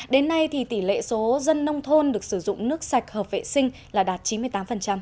đến nay thì tỷ lệ số dân nông thôn được sử dụng nước sạch hợp vệ sinh là đạt chín mươi tám